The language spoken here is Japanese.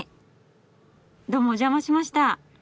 どうもお邪魔しました。